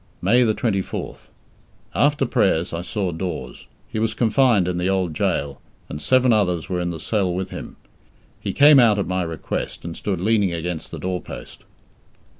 May 24th. After prayers, I saw Dawes. He was confined in the Old Gaol, and seven others were in the cell with him. He came out at my request, and stood leaning against the door post.